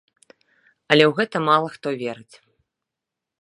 Але ў гэта мала хто верыць.